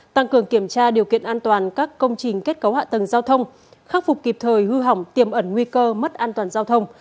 tăng cường kiểm tra điều kiện an toàn các công trình kết cấu hạ tầng giao thông khắc phục kịp thời hư hỏng tiềm ẩn nguy cơ mất an toàn giao thông